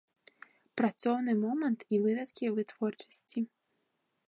Працоўны момант і выдаткі вытворчасці.